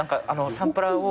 サンプラーを。